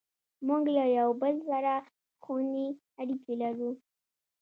موږ له یو بل سره خوني اړیکې لرو.